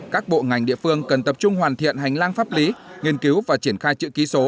các bộ ngành địa phương cần tập trung hoàn thiện hành lang pháp lý nghiên cứu và triển khai chữ ký số